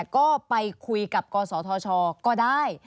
ก็ไปคุยกับกศธชก็ได้